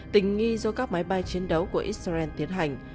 tình nghi do các máy bay chiến đấu của israel tiến hành